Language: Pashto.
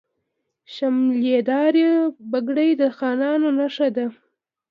شملې دارې پګړۍ د خانانو نښه ده.